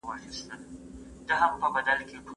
خو په دغه کوڅه کې موټر نه تر سترګو کیږي.